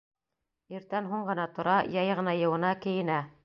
Иртән һуң ғына тора, яй ғына йыуына, кейенә.